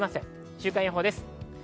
週間予報です。